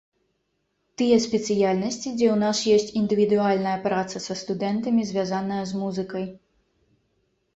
Тыя спецыяльнасці, дзе ў нас ёсць індывідуальная праца са студэнтамі, звязаная з музыкай.